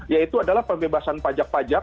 yaitu adalah pembebasan pajak pajak